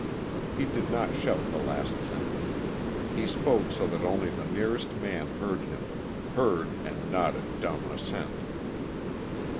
He did not shout the last sentence. He spoke so that only the nearest man heard him heard, and nodded dumb assent.